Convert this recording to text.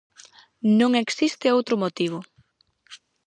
Non existe outro motivo.